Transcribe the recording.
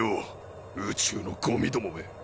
宇宙のゴミどもめ！